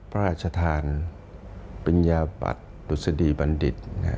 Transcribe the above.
พระราชทานเป็นยาบัติหลุดศดีบัณฑิต